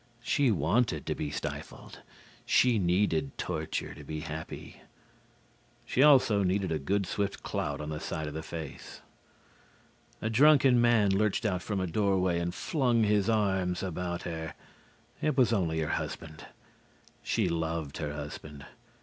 She wanted to be stifled. She needed torture to be happy. She also needed a good swift clout on the side of the face. A drunken man lurched out from a door way and flung his arms about her. It was only her husband. She loved her husband.